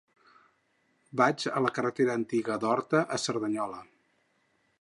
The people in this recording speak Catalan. Vaig a la carretera Antiga d'Horta a Cerdanyola.